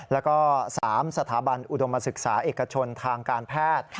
แล้วก็๓สถาบันอุดมศึกษาเอกชนทางการแพทย์